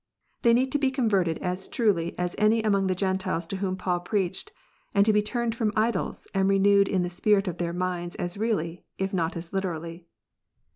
They need to be converted as truly as any among the Gentiles to whom Paul preached, and to be turned from idols, and renewed in the spirit of their minds as really, if not as literally.